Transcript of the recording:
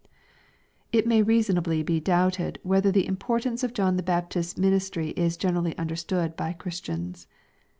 It may reasonably be doubted whether the importance of John the Baptist's ministry is generally understood by Christians.